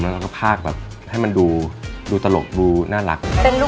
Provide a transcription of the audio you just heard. แล้วก็ภาคแบบให้มันดูตลกดูน่ารัก